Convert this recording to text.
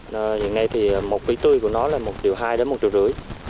nhưng đây thì một cây tươi của nó là một hai triệu đến một năm triệu